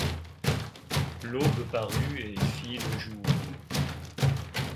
L’aube parut et fit le jour.